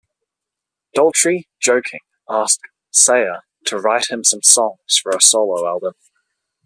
Daltrey joking asked Sayer to write him some songs for a solo album.